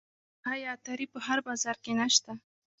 آیا عطاري په هر بازار کې نشته؟